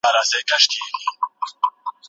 ازاده مطالعه د فکري ودې لپاره اړينه ده.